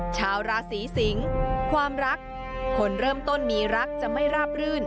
ชาวราศีสิงความรักคนเริ่มต้นมีรักจะไม่ราบรื่น